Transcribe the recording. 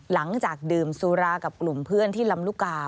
หลังจากดื่มสุรากับกลุ่มเพื่อนที่ลำลูกกา